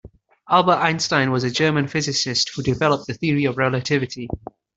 Albert Einstein was a German physicist who developed the Theory of Relativity.